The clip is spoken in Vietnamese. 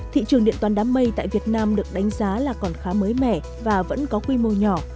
thị trường điện toán đám mây tại việt nam được đánh giá là còn khá mới mẻ và vẫn có quy mô nhỏ